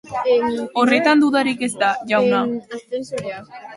Horretan dudarik ez da, jauna.